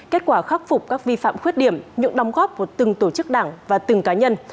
kết quả khắc phục các vi phạm khuyết điểm những đóng góp của từng tổ chức đảng và từng cá nhân